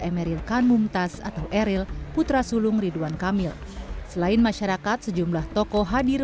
emeril khan mumtaz atau eril putra sulung ridwan kamil selain masyarakat sejumlah tokoh hadir